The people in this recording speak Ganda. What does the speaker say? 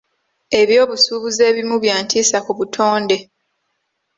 Eby'obusubuzi ebimu bya ntiisa ku butonde.